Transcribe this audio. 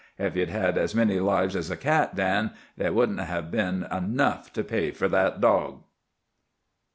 Ef ye'd had as many lives as a cat, Dan, they wouldn't hev been enough to pay fer that dawg."